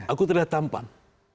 aku terlihat tampan